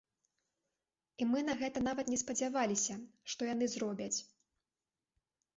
І мы на гэта нават не спадзяваліся, што яны зробяць.